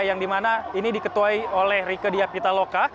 yang dimana ini diketuai oleh rike diakita loka